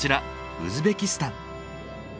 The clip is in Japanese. ウズベキスタン。